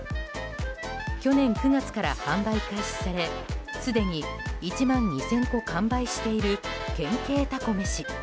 去年９月から販売開始されすでに１万２０００個完売している、県警タコ飯。